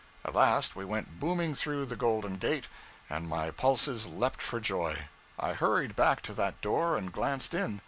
At last we went booming through the Golden Gate, and my pulses leaped for joy. I hurried back to that door and glanced in.